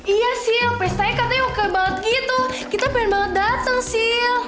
iya sil pesta katanya oke banget gitu kita pengen banget dateng sil